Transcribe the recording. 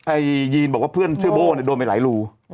ยีนบอกว่าเพื่อนชื่อโบ้เนี่ยโดนไปหลายรู